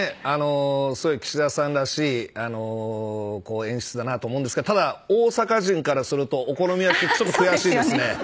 すごい、岸田さんらしい演出だと思うんですがただ大阪人からするとお好み焼き、悔しいですね。